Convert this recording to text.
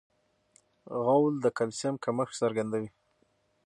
غول د کلسیم کمښت څرګندوي.